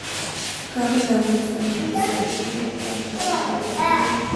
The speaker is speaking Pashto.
کابل د افغانستان د اقتصادي ودې لپاره خورا ارزښت لري.